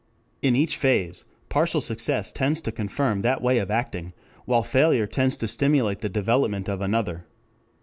In each phase, partial success tends to confirm that way of acting, while failure tends to stimulate the development of another.